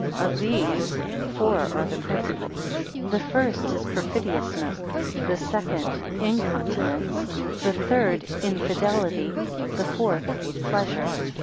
Of these, four are the principal: the first is Perfidiousness; the second, Incontinence; the third, Infidelity; the fourth, Pleasure.